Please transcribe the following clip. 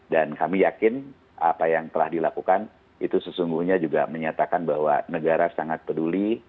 dan kami yakin apa yang telah dilakukan itu sesungguhnya juga menyatakan bahwa negara sangat peduli